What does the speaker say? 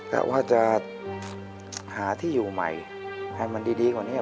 กะว่าจะหาที่อยู่ใหม่ให้มันดีกว่านี้